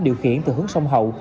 điều khiển từ hướng sông hậu